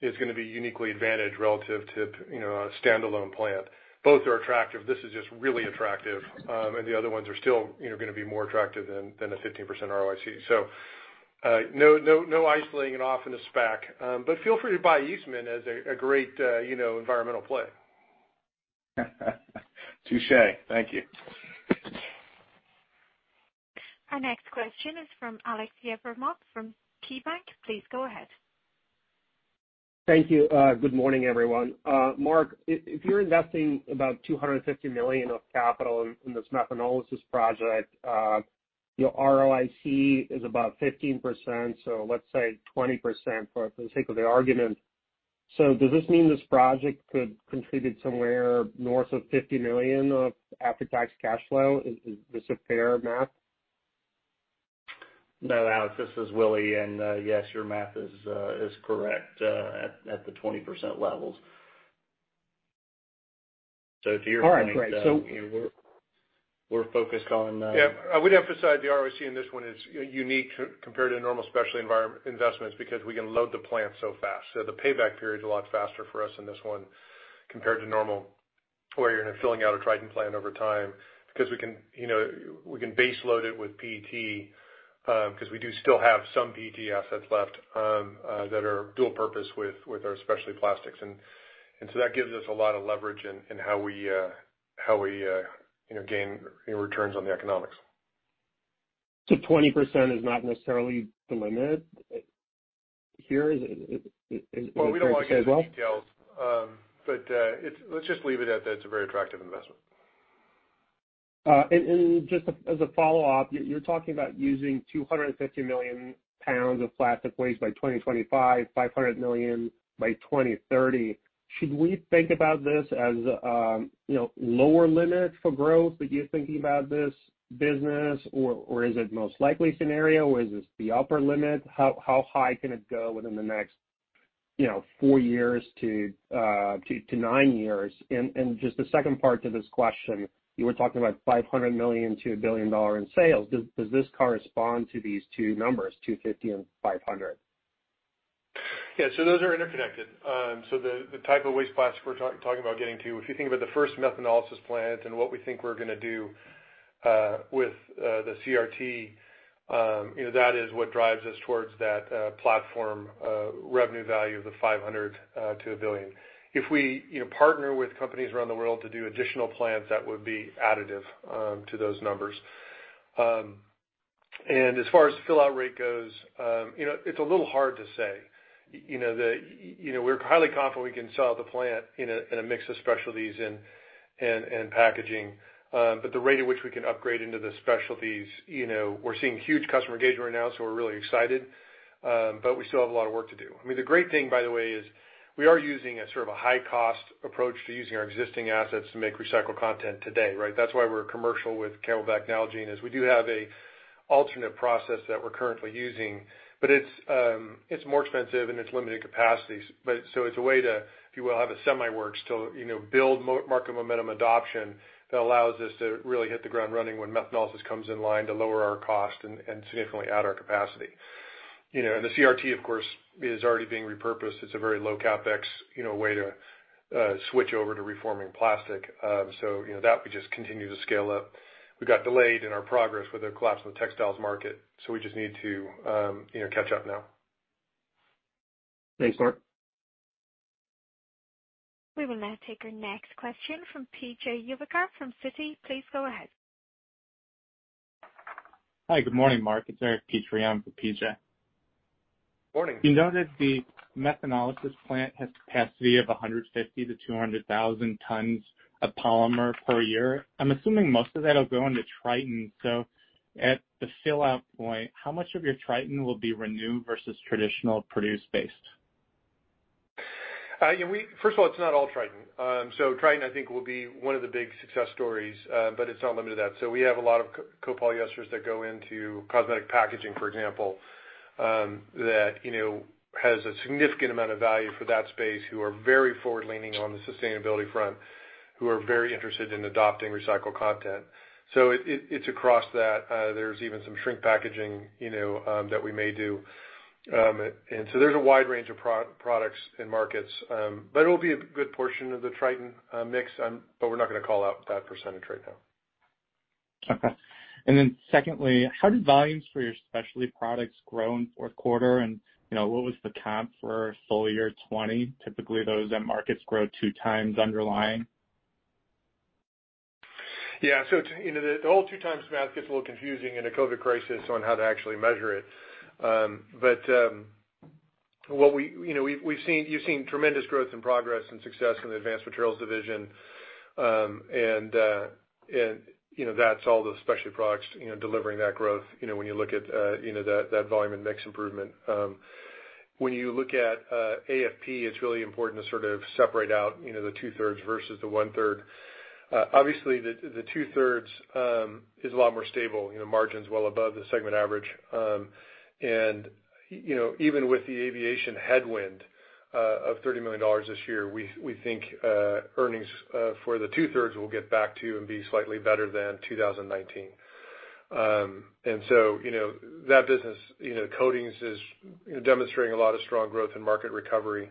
is going to be uniquely advantaged relative to a standalone plant. Both are attractive. This is just really attractive, and the other ones are still going to be more attractive than a 15% ROIC. No isolating it off in a SPAC. Feel free to buy Eastman as a great environmental play. Touche. Thank you. Our next question is from Aleksey Yefremov from KeyBanc. Please go ahead. Thank you. Good morning, everyone. Mark, if you're investing about $250 million of capital in this methanolysis project, your ROIC is about 15%, so let's say 20% for the sake of the argument. Does this mean this project could contribute somewhere north of $50 million of after-tax cash flow? Is this a fair math? No, Alex, this is Willie. Yes, your math is correct at the 20% levels. To your point. All right, great. We're focused. Yeah, I would emphasize the ROIC in this one is unique compared to normal specialty environment investments because we can load the plant so fast. The payback period's a lot faster for us in this one compared to normal, where you're filling out a Tritan plant over time, because we can base load it with PET, because we do still have some PET assets left that are dual purpose with our specialty plastics. That gives us a lot of leverage in how we gain returns on the economics. 20% is not necessarily the limit here, is a fair to say as well? Well, we don't want to get into details. Let's just leave it at that it's a very attractive investment. Just as a follow-up, you're talking about using 250 million pounds of plastic waste by 2025, 500 million by 2030. Should we think about this as a lower limit for growth that you're thinking about this business? Is it most likely scenario, or is this the upper limit? How high can it go within the next four years to nine years? Just the second part to this question, you were talking about $500 million-$1 billion in sales. Does this correspond to these two numbers, 250 and 500? Yeah. Those are interconnected. The type of waste plastic we're talking about getting to, if you think about the first methanolysis plant and what we think we're going to do with the CRT, that is what drives us towards that platform revenue value of the $500-$1 billion. If we partner with companies around the world to do additional plants, that would be additive to those numbers. As far as fill out rate goes, it's a little hard to say. We're highly confident we can sell the plant in a mix of specialties and packaging. The rate at which we can upgrade into the specialties, we're seeing huge customer engagement right now, so we're really excited. We still have a lot of work to do. I mean, the great thing, by the way, is we are using a sort of a high-cost approach to using our existing assets to make recycled content today, right? That's why we're commercial with CamelBak Nalgene, is we do have an alternate process that we're currently using. It's more expensive and it's limited capacity. It's a way to, if you will, have a semi-works to build market momentum adoption that allows us to really hit the ground running when methanolysis comes in line to lower our cost and significantly add our capacity. The CRT, of course, is already being repurposed. It's a very low CapEx way to switch over to reforming plastic. That we just continue to scale up. We got delayed in our progress with the collapse of the textiles market, we just need to catch up now. Thanks, Mark. We will now take our next question from P.J. Juvekar from Citi. Please go ahead. Hi, good morning, Mark. It's Eric Petrie for P.J. Morning. You noted the methanolysis plant has capacity of 150-200,000 tons of polymer per year. I'm assuming most of that'll go into Tritan. At the fill-out point, how much of your Tritan will be renewed versus traditional petro-based? First of all, it's not all Tritan. Tritan, I think, will be one of the big success stories, but it's not limited to that. We have a lot of copolyesters that go into cosmetic packaging, for example that has a significant amount of value for that space, who are very forward-leaning on the sustainability front, who are very interested in adopting recycled content. It's across that. There's even some shrink packaging that we may do. There's a wide range of products and markets. It'll be a good portion of the Tritan mix, but we're not going to call out that percentage right now. Okay. Secondly, how did volumes for your specialty products grow in fourth quarter? What was the comp for full year 2020? Typically, those end markets grow two times underlying. The whole two times math gets a little confusing in a COVID crisis on how to actually measure it. You've seen tremendous growth and progress and success in the advanced materials division. That's all the specialty products delivering that growth, when you look at that volume and mix improvement. When you look at AFP, it's really important to sort of separate out the two-thirds versus the one-third. Obviously, the two-thirds is a lot more stable, margins well above the segment average. Even with the aviation headwind of $30 million this year, we think earnings for the two-thirds will get back to and be slightly better than 2019. That business, coatings is demonstrating a lot of strong growth and market recovery.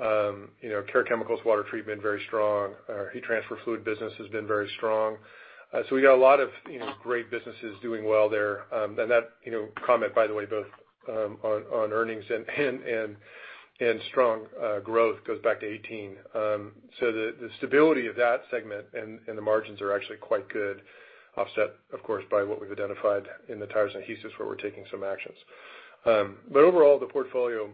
Care chemicals, water treatment, very strong. Our heat transfer fluid business has been very strong. We got a lot of great businesses doing well there. That comment, by the way, both on earnings and strong growth goes back to 2018. The stability of that segment and the margins are actually quite good, offset, of course, by what we've identified in the tires and adhesives, where we're taking some actions. Overall, the portfolio,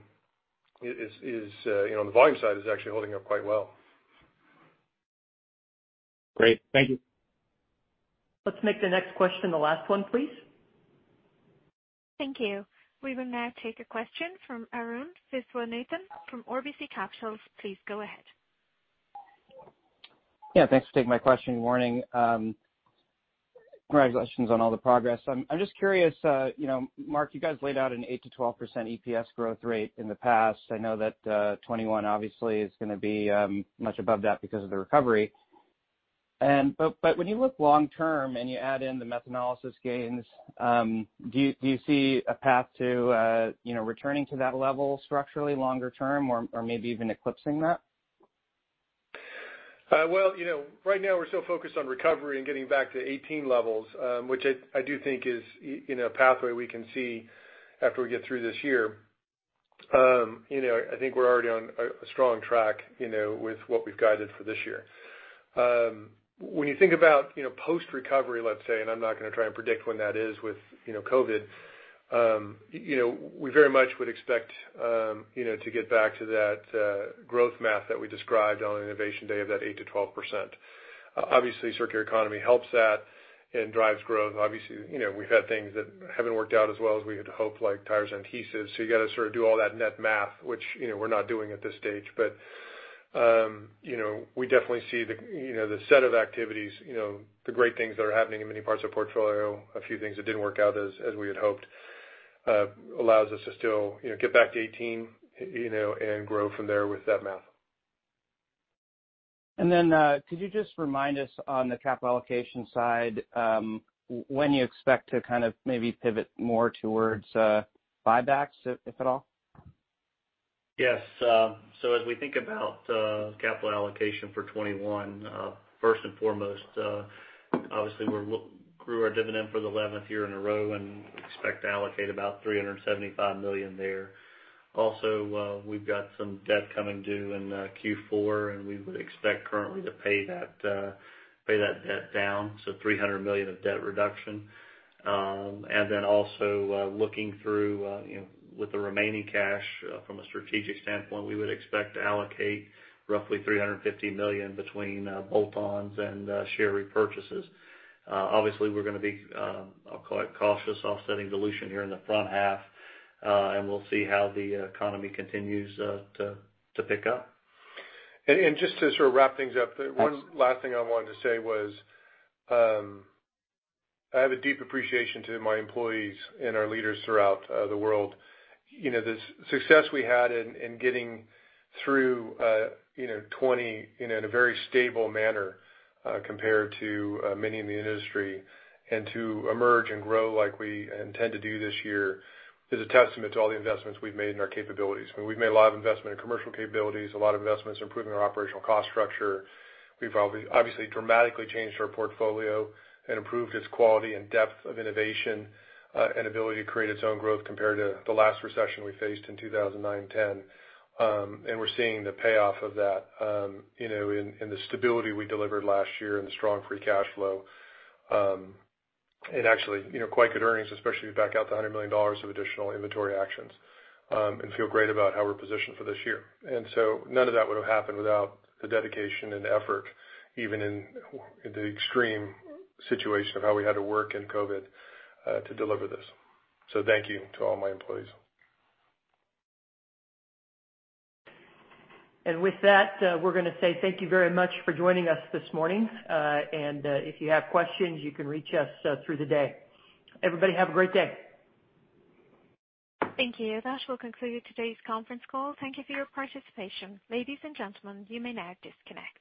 on the volume side, is actually holding up quite well. Great. Thank you. Let's make the next question the last one, please. Thank you. We will now take a question from Arun Viswanathan from RBC Capital. Please go ahead. Yeah, thanks for taking my question. Good morning. Congratulations on all the progress. I'm just curious, Mark, you guys laid out an 8%-12% EPS growth rate in the past. I know that 2021 obviously is going to be much above that because of the recovery. When you look long term and you add in the methanolysis gains, do you see a path to returning to that level structurally longer term or maybe even eclipsing that? Right now we're so focused on recovery and getting back to 18 levels, which I do think is a pathway we can see after we get through this year. I think we're already on a strong track with what we've guided for this year. When you think about post-recovery, let's say, and I'm not going to try and predict when that is with COVID, we very much would expect to get back to that growth math that we described on Innovation Day of that 8%-12%. Obviously, circular economy helps that and drives growth. Obviously, we've had things that haven't worked out as well as we had hoped, like tires and adhesives. You've got to sort of do all that net math, which we're not doing at this stage. We definitely see the set of activities, the great things that are happening in many parts of the portfolio, a few things that didn't work out as we had hoped, allows us to still get back to 2018, and grow from there with that math. Then could you just remind us on the capital allocation side, when you expect to kind of maybe pivot more towards buybacks, if at all? Yes. As we think about capital allocation for 2021, first and foremost, obviously we grew our dividend for the 11th year in a row and expect to allocate about $375 million there. We've got some debt coming due in Q4, and we would expect currently to pay that debt down, $300 million of debt reduction. Looking through with the remaining cash from a strategic standpoint, we would expect to allocate roughly $350 million between bolt-ons and share repurchases. Obviously, we're going to be cautious offsetting dilution here in the front half, and we'll see how the economy continues to pick up. Just to sort of wrap things up, one last thing I wanted to say was, I have a deep appreciation to my employees and our leaders throughout the world. The success we had in getting through 2020 in a very stable manner compared to many in the industry, and to emerge and grow like we intend to do this year, is a testament to all the investments we've made in our capabilities. We've made a lot of investment in commercial capabilities, a lot of investments in improving our operational cost structure. We've obviously dramatically changed our portfolio and improved its quality and depth of innovation and ability to create its own growth compared to the last recession we faced in 2009 and 2010. We're seeing the payoff of that in the stability we delivered last year and the strong free cash flow. Actually, quite good earnings, especially if you back out the $100 million of additional inventory actions and feel great about how we're positioned for this year. None of that would have happened without the dedication and effort, even in the extreme situation of how we had to work in COVID to deliver this. Thank you to all my employees. With that, we're going to say thank you very much for joining us this morning. If you have questions, you can reach us through the day. Everybody have a great day. Thank you. That will conclude today's Conference Call. Thank you for your participation. Ladies and gentlemen, you may now disconnect.